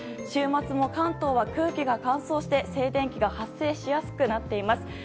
週末も関東は空気が乾燥して静電気が発生しやすくなっています。